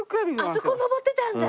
あそこ登ってたんだ？